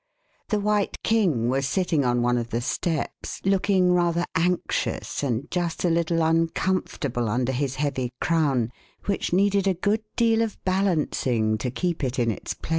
The White King was sitting on one of 23 The Westminster Alice the steps, looking rather anxious and just a little uncomfortable under his heavy crown, which needed a good deal of balancing to keep it in its place.